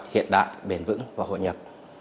hiện đại bền vững và hội nhập